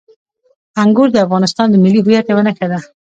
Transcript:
انګور د افغانستان د ملي هویت یوه نښه ده.